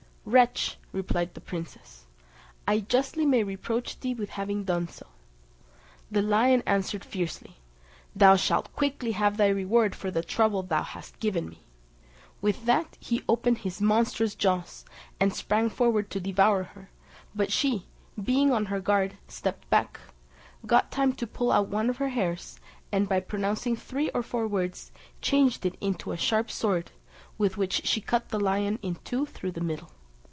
"Wretch," replied the princess, "I justly may reproach thee with having done so." The lion answered fiercely, "Thou shalt quickly have thy reward for the trouble thou hast given me:" with that he opened his monstrous jaws, and sprang forward to devour her; but she, being on her guard, stepped back, got time to pull out one of her hairs, and by pronouncing three or four words, changed it into a sharp sword, with which she cut the lion in two through the middle.